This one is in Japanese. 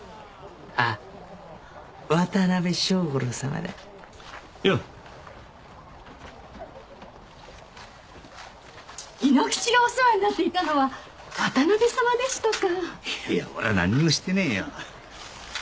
ああ渡辺小五郎さまだよう亥ノ吉がお世話になっていたのは渡辺さまでしたかいやいや俺は何にもしてねぇよ